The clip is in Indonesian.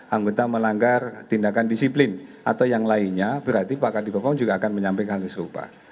anggota melanggar tindakan disiplin atau yang lainnya berarti pak kadipom juga akan menyampaikan hal serupa